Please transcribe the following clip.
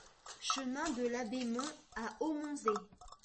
Chemin de Labémont à Aumontzey